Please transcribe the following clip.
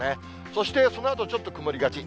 そして、そのあとちょっと曇りがち。